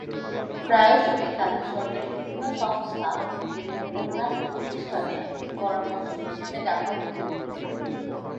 প্রায়শই তাকে সরকারি বিভিন্ন সংস্থা এবং অন্যান্য প্রতিষ্ঠানে পরামর্শক হিসেবে ডাকা হতো।